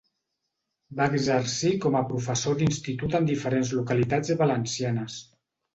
Va exercir com a professor d'institut en diferents localitats valencianes.